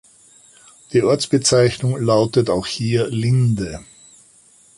Die Ortsbezeichnung lautet auch hier "Linde".